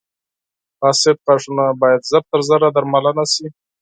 • فاسد غاښونه باید ژر تر ژره درملنه شي.